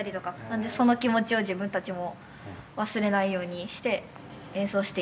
なんでその気持ちを自分たちも忘れないようにして演奏しています。